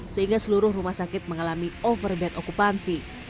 sehingga seluruh rumah sakit mengalami overbad okupansi